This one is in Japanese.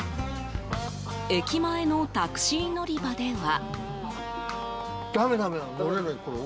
駅前のタクシー乗り場では。